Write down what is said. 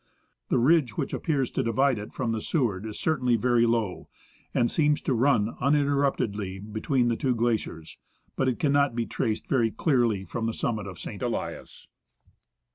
The ridge which appears to divide it from the Seward is certainly very low, and seems to run uninterruptedly between the two glaciers, but it cannot be traced very clearly from the summit of St. Elias.